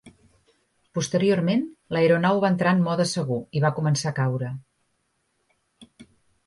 Posteriorment l'aeronau va entrar en mode segur i va començar a caure.